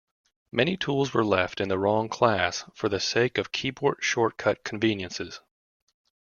Many tools were left in the wrong class for the sake of keyboard-shortcut conveniences.